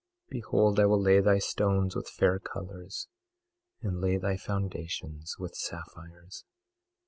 Behold, I will lay thy stones with fair colors, and lay thy foundations with sapphires.